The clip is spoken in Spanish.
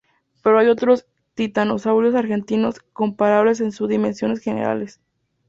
Pero hay otros titanosaurios argentinos comparables en sus dimensiones generales.